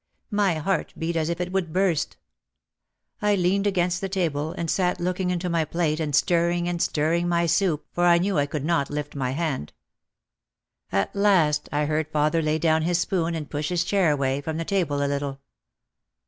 My heart beat as if it would burst. I leaned against the table and sat looking into my plate and stirring and stirring my soup for I knew I could not lift my hand. At last I heard father lay down his spoon and push his chair away from the table a little.